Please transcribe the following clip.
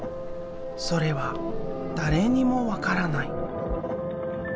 それは誰にも分からない。